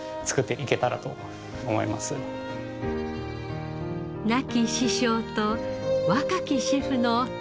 亡き師匠と若きシェフの固い絆。